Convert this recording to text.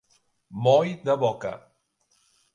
Moll de boca.